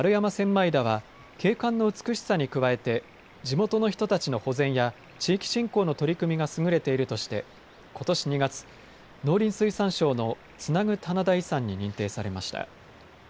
枚田は景観の美しさに加えて地元の人たちの保全や地域振興の取り組みが優れているとしてことし２月、農林水産省のつなぐ棚田遺産に認定されました。